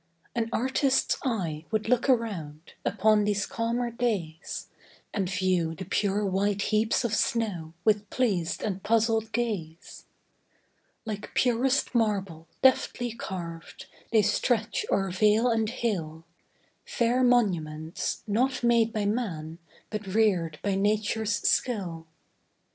An artist's eye would look around, Upon these calmer days, And view the pure white heaps of snow, With pleas'd and puzzl'd gaze. Like purest marble, deftly carv'd, They stretch o'er vale and hill, Fair monuments, not made by man, But rear'd by nature's skill.